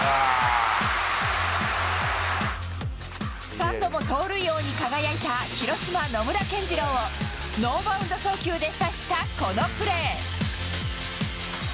３度も盗塁王に輝いた広島、野村謙二郎をノーバウンド送球で刺したこのプレー。